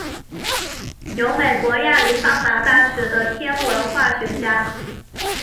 由美国亚利桑那大学的天文化学家。